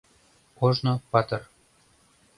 Ожно патыр